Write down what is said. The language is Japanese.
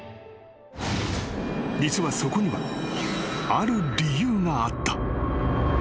［実はそこにはある理由があった］